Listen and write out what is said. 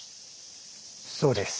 そうです。